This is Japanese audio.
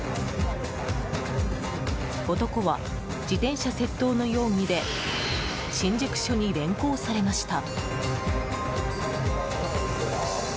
男は自転車窃盗の容疑で新宿署に連行されました。